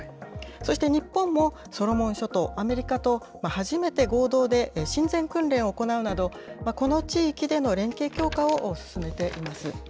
そして日本もソロモン諸島、アメリカと初めて合同で親善訓練を行うなど、この地域での連携強化を進めています。